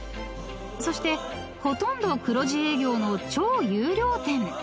［そしてほとんど黒字営業の超優良店］